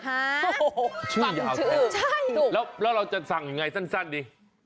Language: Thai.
ชื่อยาวแค่นี้ใช่ถูกแล้วเราจะสั่งยังไงสั้นดิ